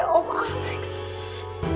jadi om alex datang ke sini